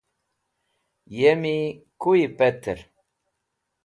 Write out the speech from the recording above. yemi kuy petr